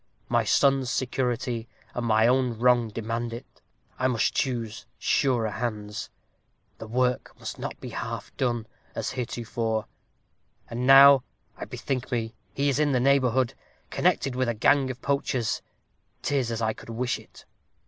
My son's security and my own wrong demand it. I must choose surer hands the work must not be half done, as heretofore. And now, I bethink me, he is in the neighborhood, connected with a gang of poachers 'tis as I could wish it."